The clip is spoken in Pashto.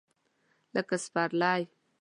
لکه سپرلی !